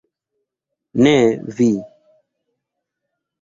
Ne vi.